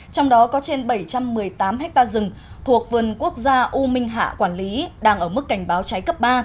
trong đó có trên bảy trăm một mươi tám ha rừng thuộc vườn quốc gia u minh hạ quản lý đang ở mức cảnh báo cháy cấp ba